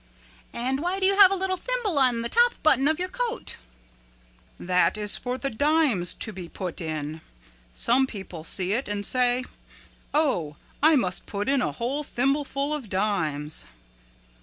"And why do you have a little thimble on the top button of your coat?" "That is for the dimes to be put in. Some people see it and say, 'Oh, I must put in a whole thimbleful of dimes.'"